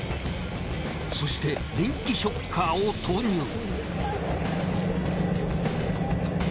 そして電気ショッカーを投入。